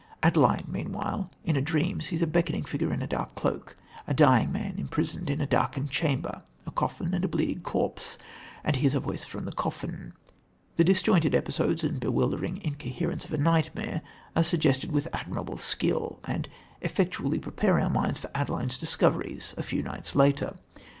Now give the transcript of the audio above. Adeline, meanwhile, in a dream sees a beckoning figure in a dark cloak, a dying man imprisoned in a darkened chamber, a coffin and a bleeding corpse, and hears a voice from the coffin. The disjointed episodes and bewildering incoherence of a nightmare are suggested with admirable skill, and effectually prepare our minds for Adeline's discoveries a few nights later.